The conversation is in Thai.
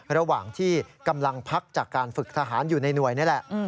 ระหว่างที่กำลังพักจากการฝึกทหารอยู่ในหน่วยนี่แหละ